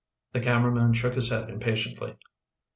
The cameraman shook his head impatiently.